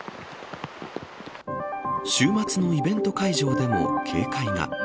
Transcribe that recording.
週末のイベント会場でも警戒が。